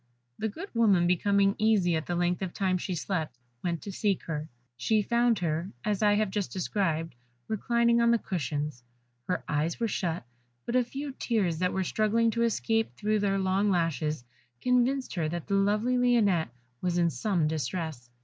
The good woman becoming uneasy at the length of time she slept, went to seek her; she found her, as I have just described, reclining on the cushions; her eyes were shut, but a few tears that were struggling to escape through their long lashes, convinced her that the lovely Lionette was in some distress.